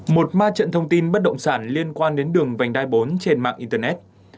một ma trận thông tin bất động sản liên quan đến đường vành đai bốn trên mạng internet